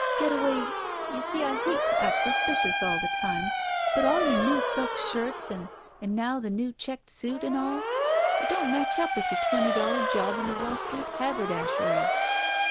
Getaway — you see, I hate to act suspicious all the time, but all your new silk shirts and now the new checked suit and all. It don't match up with your twenty dollar job in the Wall Street haberdashery."